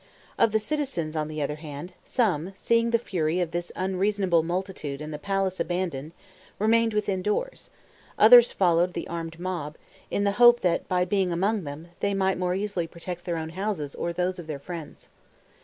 Of the citizens, on the other hand, some, seeing the fury of this unreasonable multitude and the palace abandoned, remained within doors; others followed the armed mob, in the hope that by being among them, they might more easily protect their own houses or those of their friends.